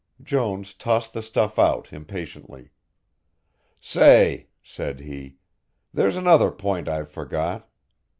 Jones tossed the stuff off impatiently. "Say," said he, "there's another point I've forgot.